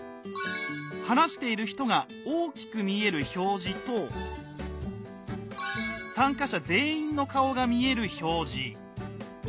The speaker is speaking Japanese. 話している人が大きく見える表示と参加者全員の顔が見える表示。